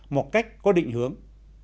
một cách có định hướng